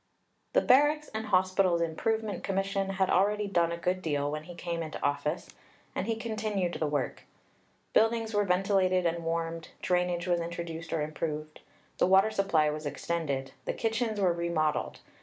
The Barracks and Hospitals Improvement Commission had already done a good deal when he came into office, and he continued the work. Buildings were ventilated and warmed. Drainage was introduced or improved. The water supply was extended. The kitchens were remodelled.